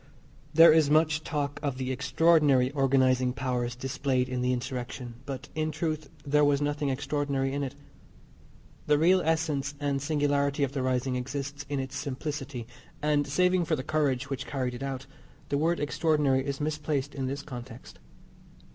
There is much talk of the extraordinary organising powers displayed in the insurrection, but in truth there was nothing extraordinary in it. The real essence and singularity of the rising exists in its simplicity, and, saving for the courage which carried it out, the word extraordinary is misplaced in this context.